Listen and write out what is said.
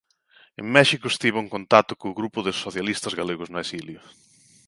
En México estivo en contacto co grupo dos socialistas galegos no exilio.